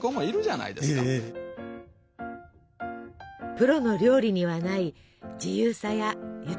プロの料理にはない自由さや豊かさ。